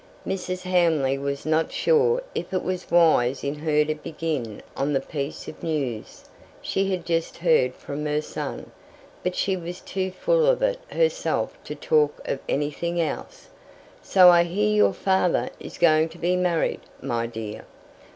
Mrs. Hamley was not sure if it was wise in her to begin on the piece of news she had just heard from her son; but she was too full of it herself to talk of anything else. "So I hear your father is going to be married, my dear?